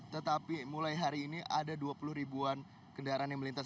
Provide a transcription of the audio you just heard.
tetapi mulai hari ini ada dua puluh ribuan kendaraan yang melintas